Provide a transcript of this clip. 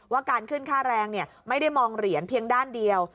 การขึ้นค่าแรงไม่ได้มองเหรียญเพียงด้านเดียว